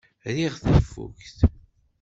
Riɣ tafukt.